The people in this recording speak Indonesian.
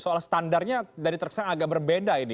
soal standarnya dari terkesan agak berbeda ini